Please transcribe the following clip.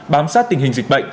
bám sát tình hình dịch bệnh